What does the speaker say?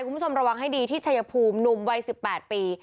คุณผู้ชมระวังให้ดีที่ชัยภูมิหนุ่มวัย๑๘ปี